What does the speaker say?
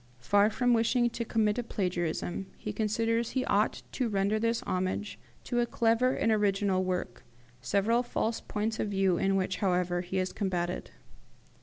Far from wishing to commit a plagiarism, he considers he ought to render this homage to a clever and original work, several false points of view in which, however, he has combated.